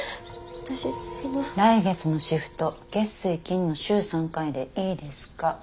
来月のシフト月水金の週３回でいいですか？